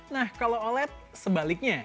nah kalau oled sebaliknya